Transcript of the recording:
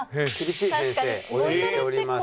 お呼びしておりますので。